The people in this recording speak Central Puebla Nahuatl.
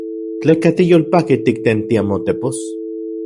¿Tleka tiyolpaki tiktentia motepos?